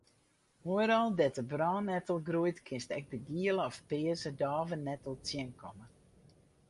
Oeral dêr't de brannettel groeit kinst ek de giele of pearse dôvenettel tsjinkomme.